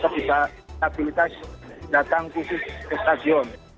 disabilitas datang khusus ke stadion